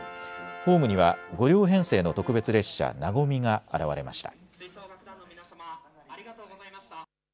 ホームには５両編成の特別列車、なごみが現れました。